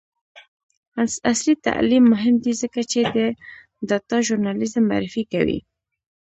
عصري تعلیم مهم دی ځکه چې د ډاټا ژورنالیزم معرفي کوي.